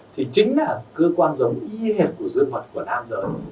thì chính là cơ quan giống y hệt của dương vật của nam giới